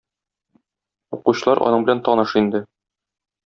Укучылар аның белән таныш инде.